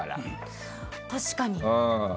確かに。